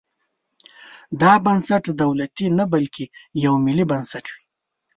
دا بنسټ دولتي نه بلکې یو ملي بنسټ وي.